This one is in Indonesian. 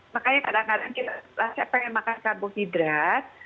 makanya kadang kadang kita saya pengen makan karbohidrat